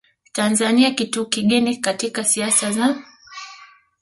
Tanzania kitu kigeni katika siasa za